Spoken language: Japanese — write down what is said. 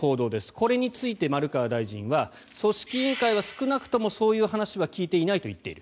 これについて、丸川大臣は組織委員会は少なくともそういう話は聞いていないと言っている。